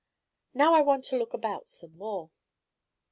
Now I want to look about some more."